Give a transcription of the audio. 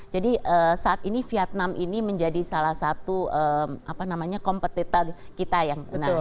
jadi saat ini vietnam ini menjadi salah satu kompetitor kita yang benar